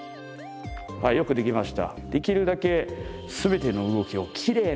はいよくできました。